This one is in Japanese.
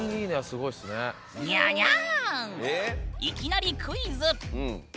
いきなりクイズ。